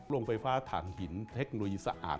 โรงไฟฟ้าฐานหินเทคโนโลยีสะอาด